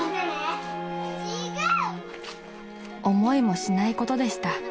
［思いもしないことでした］